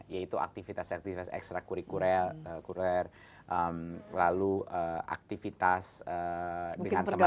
yaitu aktivitas aktivitas ekstra kurikuler kurir lalu aktivitas dengan teman teman